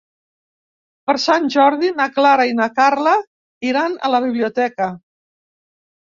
Per Sant Jordi na Clara i na Carla iran a la biblioteca.